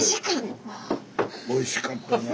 おいしかった。